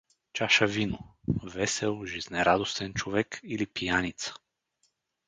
Чаша вино (весел, жизнерадостен човек или пияница).